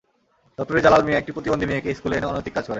দপ্তরি জালাল মিয়া একটি প্রতিবন্ধী মেয়েকে স্কুলে এনে অনৈতিক কাজ করেন।